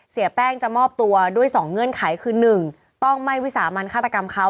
เสียแป้งจะมอบตัวด้วย๒เงื่อนไขคือ๑ต้องไม่วิสามันฆาตกรรมเขา